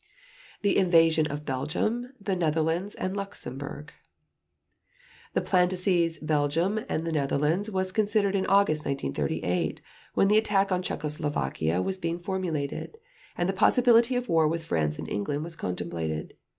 The Invasion of Belgium, the Netherlands, and Luxembourg The plan to seize Belgium and the Netherlands was considered in August 1938, when the attack on Czechoslovakia was being formulated, and the possibility of war with France and England was contemplated.